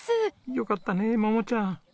よかったね桃ちゃん。